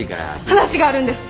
話があるんです。